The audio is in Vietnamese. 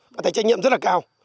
người ta trách nhiệm rất là cao